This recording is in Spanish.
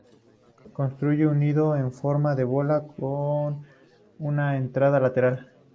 Construye un nido en forma de bola con una entrada lateral.